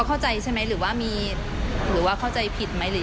กินพอแล้วพอ